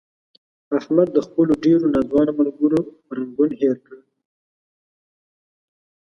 احمد د خپلو ډېرو ناځوانه ملګرو رنګون هیر کړل.